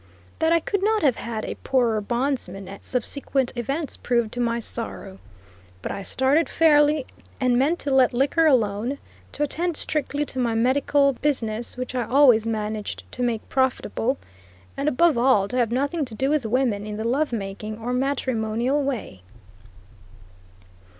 That I could not have had a poorer bondsman, subsequent events proved to my sorrow. But I started fairly, and meant to let liquor alone; to attend strictly to my medical business, which I always managed to make profitable, and above all, to have nothing to do with women in the love making or matrimonial way.